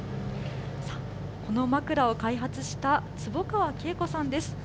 さあ、この枕を開発した坪川恵子さんです。